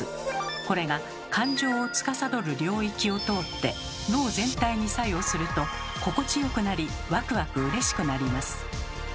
これが感情をつかさどる領域を通って脳全体に作用すると心地よくなりワクワクうれしくなります。